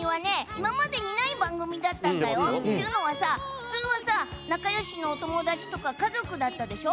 今までにない番組だったんだよ。というのは、普通はさ仲よしのお友だちとか家族だったでしょ？